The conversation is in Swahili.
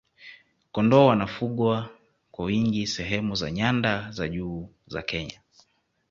kondoo wanafugwa kwa wingi sehemu za nyanda za juu za kenya